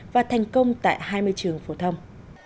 và thành công tại hai mươi trường phổ thông